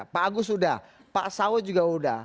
pak agus sudah pak sawo juga sudah